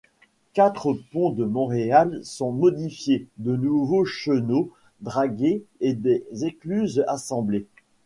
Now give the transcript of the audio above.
Quatre ponts de Montréal sont modifiés, de nouveaux chenaux dragués et des écluses assemblées.